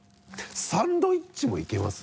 サンドイッチもいけます？